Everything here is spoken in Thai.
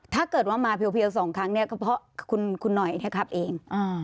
ถ้าเกิดว่ามาเพียวสองครั้งเนี่ยก็เพราะคุณหน่อยขับเอง